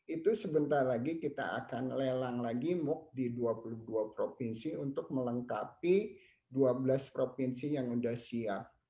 itu sebentar lagi kita akan lelang lagi muk di dua puluh dua provinsi untuk melengkapi dua belas provinsi yang sudah siap